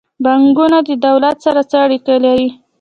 بانکونه د دولت سره څه اړیکه لري؟